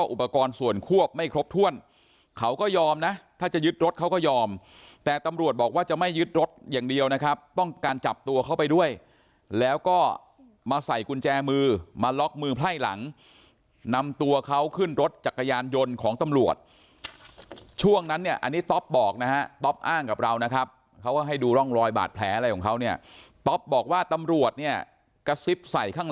อุปกรณ์ส่วนควบไม่ครบถ้วนเขาก็ยอมนะถ้าจะยึดรถเขาก็ยอมแต่ตำรวจบอกว่าจะไม่ยึดรถอย่างเดียวนะครับต้องการจับตัวเข้าไปด้วยแล้วก็มาใส่กุญแจมือมาล็อกมือไพ่หลังนำตัวเขาขึ้นรถจักรยานยนต์ของตำรวจช่วงนั้นเนี่ยอันนี้ต๊อปบอกนะฮะต๊อปอ้างกับเรานะครับเขาก็ให้ดูร่องรอยบาดแผลอะไรของเขาเนี่ยต๊อปบอกว่าตำรวจเนี่ยกระซิบใส่ข้าง